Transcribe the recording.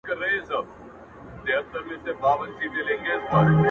هغه لونگ چي شعر وايي سندرې وايي,